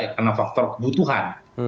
karena faktor kebutuhan